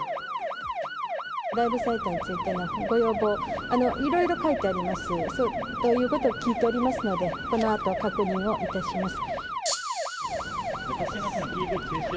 ライブサイトについてのご要望、いろいろ書いてあります、ということを聞いておりますので、このあと確認をいたします。